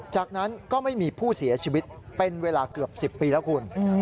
จากนั้นก็ไม่มีผู้เสียชีวิตเป็นเวลาเกือบ๑๐ปีแล้วคุณ